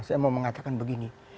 saya mau mengatakan begini